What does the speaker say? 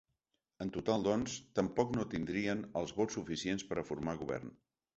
En total, doncs, tampoc no tindrien els vots suficients per a formar govern.